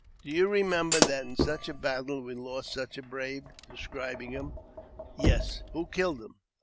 " Do you remember that in such a battle we lost such a brave ?" describing him. "Yes." " Who killed him